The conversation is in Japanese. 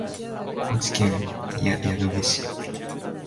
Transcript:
高知県宿毛市